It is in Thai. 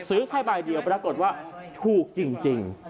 ซื้อแค่ใบเดียวปรากฏว่าถูกจริง